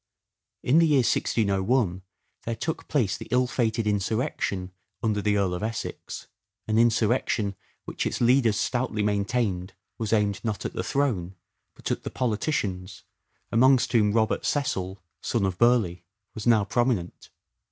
In the year 1601 there took place the ill fated insurrection under the Earl of Essex ; an insurrection which its leaders stoutly maintained was aimed, not at the throne, but at the politicians, amongst whom Robert Cecil, son of Burleigh, was now prominent.